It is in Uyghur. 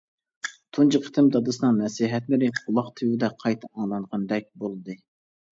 تۇنجى قېتىم دادىسىنىڭ نەسىھەتلىرى قۇلاق تۈۋىدە قايتا ئاڭلانغاندەك بولدى.